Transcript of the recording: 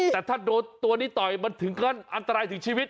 แต่ถ้าโดนตัวนี้ต่อยมันถึงก็อันตรายถึงชีวิต